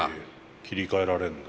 切り替えられるんだ。